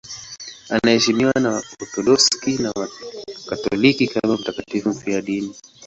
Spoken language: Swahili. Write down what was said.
Anaheshimiwa na Waorthodoksi na Wakatoliki kama mtakatifu mfiadini.